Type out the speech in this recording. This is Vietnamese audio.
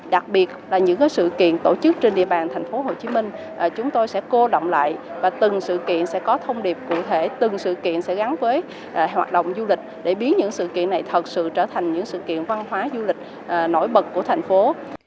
đặc biệt là những sự kiện tổ chức trên địa bàn tp hcm chúng tôi sẽ cô động lại và từng sự kiện sẽ có thông điệp cụ thể từng sự kiện sẽ gắn với hoạt động du lịch để biến những sự kiện này thật sự trở thành những sự kiện văn hóa du lịch nổi bật của thành phố